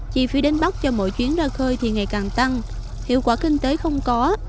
chi phí đến bắc cho mỗi chuyến ra khơi thì ngày càng tăng hiệu quả kinh tế không có